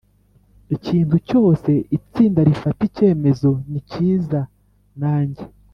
ikintu cyose itsinda rifata icyemezo ni cyiza nanjye.